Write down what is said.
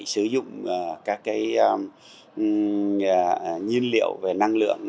sử dụng các cái nhiên liệu về năng lượng